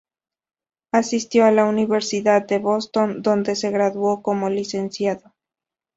Asistió a la Universidad de Boston, donde se graduó como licenciado.